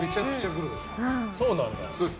そうなんだ。